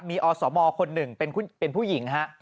มีอสมคนหนึ่งเป็นผู้หญิงฮะ